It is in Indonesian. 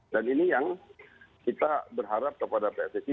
dan ini yang kita berharap kepada pssi